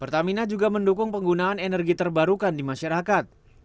pertamina juga mendukung penggunaan energi terbarukan di masyarakat